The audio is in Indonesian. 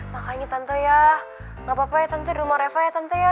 makanya tante ya gapapa ya tante di rumah reva ya tante ya